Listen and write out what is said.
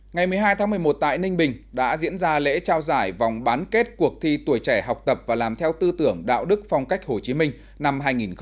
ngày một mươi hai tháng một mươi một tại ninh bình đã diễn ra lễ trao giải vòng bán kết cuộc thi tuổi trẻ học tập và làm theo tư tưởng đạo đức phong cách hồ chí minh năm hai nghìn một mươi chín